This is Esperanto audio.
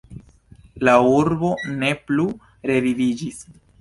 La urbo ne plu reviviĝis.